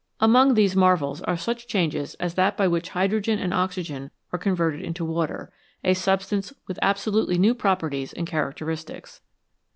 Among these marvels are such changes as that by which hydrogen and oxygen are converted into water, a substance with absolutely new properties and characteristics.